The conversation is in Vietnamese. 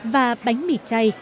và bánh mì chay